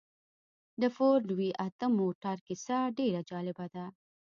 د فورډ وي اته موټر کيسه ډېره جالبه ده.